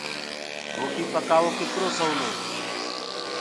روٽيٚ پڪآوو ڪترو آسآني